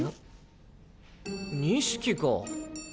錦か。